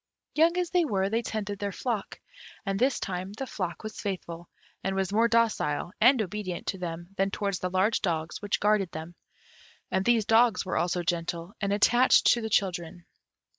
Young as they were, they tended their flock. And this time the flock was faithful, and was more docile and obedient to them than towards the large dogs which guarded them; and these dogs were also gentle, and attached to the children.